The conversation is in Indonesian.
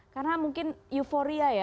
karena mungkin euforia ya